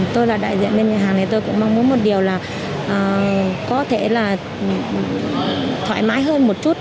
tôi là đại diện bên nhà hàng này tôi cũng mong muốn một điều là có thể là thoải mái hơn một chút